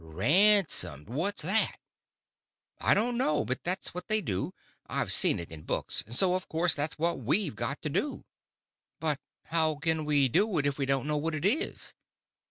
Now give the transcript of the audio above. "Ransomed? What's that?" "I don't know. But that's what they do. I've seen it in books; and so of course that's what we've got to do." "But how can we do it if we don't know what it is?"